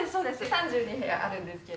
３２部屋あるんですけれど。